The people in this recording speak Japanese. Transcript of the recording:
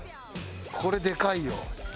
これでかいよ。